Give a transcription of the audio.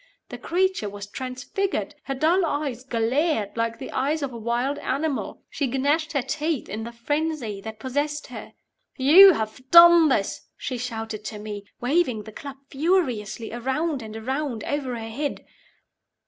The creature was transfigured! Her dull eyes glared like the eyes of a wild animal. She gnashed her teeth in the frenzy that possessed her. "You have done this!" she shouted to me, waving the club furiously around and around over her head.